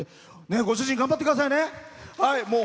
ご主人、頑張ってくださいね！